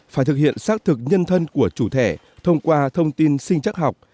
phải thực hiện xác thực nhân thân của chủ thẻ thông qua thông tin sinh chắc học